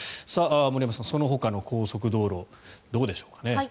森山さん、そのほかの高速道路どうでしょうかね。